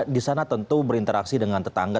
disana tentu berinteraksi dengan tetangga